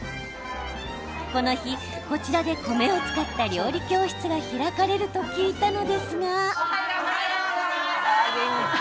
この日、こちらで米を使った料理教室が開かれると聞いたのですが。